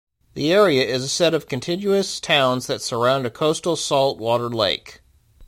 The area is a set of contiguous towns that surround a coastal saltwater lake.